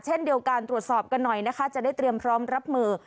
เช่นเดียวกันตรวจสอบกันหน่อยนะคะจะได้เตรียมพร้อมรับมือ